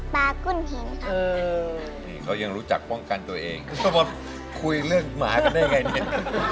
กุ้นหินครับนี่เขายังรู้จักป้องกันตัวเองคุยเรื่องหมากันได้ไงเนี่ย